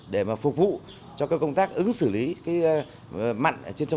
để phục vụ cho công tác ứng xử lý mặn trên lít cờ lo